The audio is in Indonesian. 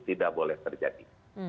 tidak boleh terjadi